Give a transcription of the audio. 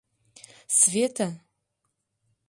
Света!